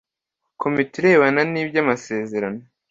Komite irebana n iby amasezerano